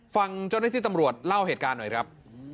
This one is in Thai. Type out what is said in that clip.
ฟังเจ้าหน้าที่ตำรวจเล่าเหตุการณ์หน่อยครับ